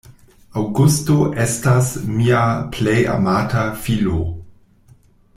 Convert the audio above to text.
Aŭgusto estas mia plej amata filo.